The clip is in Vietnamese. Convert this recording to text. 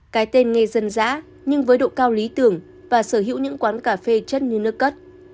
cái tên nghe dân dã nhưng với độ cao lý tưởng và sở hữu những quán cà phê chất như nước cất